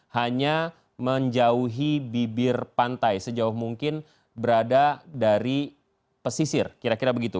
hanya menjauhi bibir pantai sejauh mungkin berada dari pesisir kira kira begitu